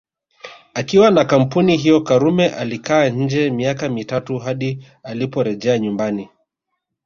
Akiwa na kampuni hiyo Karume alikaa nje miaka mitatu hadi aliporejea nyumbani